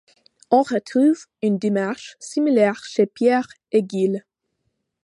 On retrouve une démarche similaire chez Pierre et Gilles.